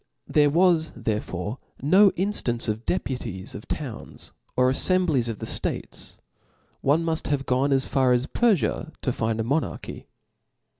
There was cw's, therefore no inftance of deputies of towns or a£ fembiies of the ftates ;> one cnuil have gone as far ^s Perfia to find a monarchy.